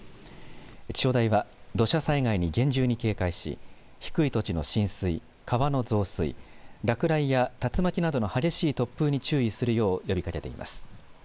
気象台は土砂災害に厳重に警戒し低い土地の浸水、川の増水落雷や竜巻などの激しい突風に注意するよう呼びかけています。